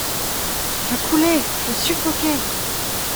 Je coulais ! je suffoquais !…